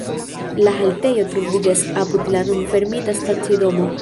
La haltejo troviĝas apud la nun fermita stacidomo.